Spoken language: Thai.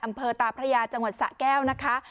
อำเภอตาพระยาจังหวัดสะแก้วนะคะ